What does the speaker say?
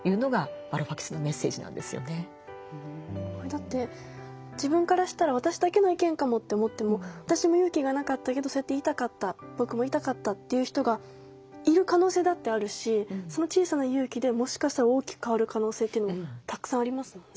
だって自分からしたら私だけの意見かもって思っても私も勇気がなかったけどそうやって言いたかった僕も言いたかったという人がいる可能性だってあるしその小さな勇気でもしかしたら大きく変わる可能性っていうのもたくさんありますもんね。